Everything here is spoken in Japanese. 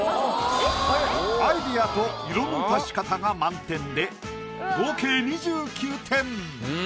アイディアと色の足し方が満点で合計２９点。